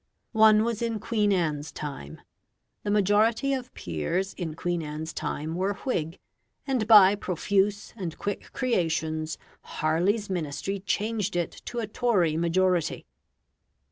One was in Queen Anne's time. The majority of peers in Queen Anne's time were Whig, and by profuse and quick creations Harley's Ministry changed it to a Tory majority.